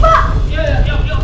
pak pak bangun pak